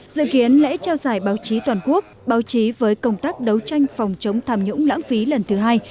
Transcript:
dự kiến lễ trao giải báo chí toàn quốc báo chí với công tác đấu tranh phòng chống tham nhũng lãng phí lần thứ hai